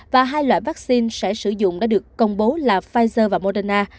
và hai loại vaccine sẽ sử dụng đã được công bố là pfizer và moderna